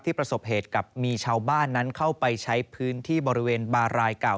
ประสบเหตุกับมีชาวบ้านนั้นเข้าไปใช้พื้นที่บริเวณบารายเก่า